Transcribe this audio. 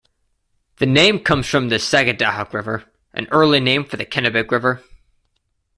The name comes from the "Sagadahoc River", an early name for the Kennebec River.